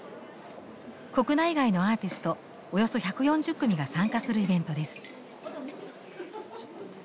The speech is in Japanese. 国内外のアーティストおよそ１４０組が参加するイベントです。